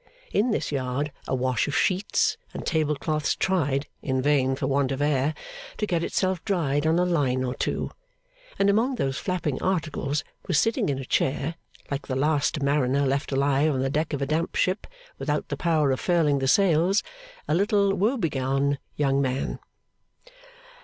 In this yard a wash of sheets and table cloths tried (in vain, for want of air) to get itself dried on a line or two; and among those flapping articles was sitting in a chair, like the last mariner left alive on the deck of a damp ship without the power of furling the sails, a little woe begone young man.